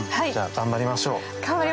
頑張りましょう。